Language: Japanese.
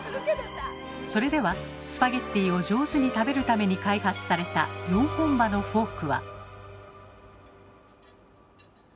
それではスパゲッティを上手に食べるために開発された４本歯のフォークは。